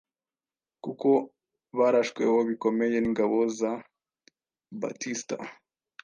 kuko barashweho bikomeye n’ingabo za baptista